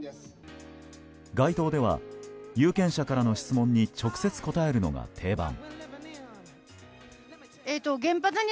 街頭では有権者からの質問に直接答えるのが定番。